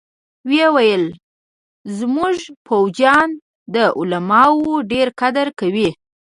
ويې ويل زمونګه فوجيان د علماوو ډېر قدر کوي.